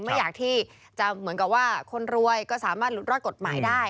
ไม่อยากที่จะเหมือนกับว่าคนรวยก็สามารถหลุดรอดกฎหมายได้